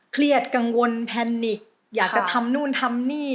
เครียดกังวลแพนิกอยากจะทำนู่นทำนี่